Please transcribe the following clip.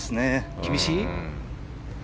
厳しい？